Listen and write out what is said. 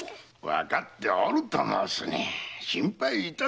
わかっておると申すに心配いたすな。